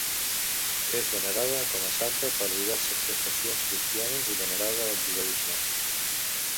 És venerada com a santa per diverses confessions cristianes i venerada al judaisme.